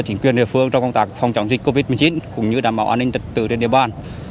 chính quyền địa phương trong công tác phòng chống dịch covid một mươi chín cũng như đảm bảo an ninh trật tự trên địa bàn